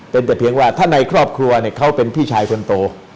เป็นแต่เพียงว่าถ้าในครอบครัวเนี่ยเขาเป็นพี่ชายคนโต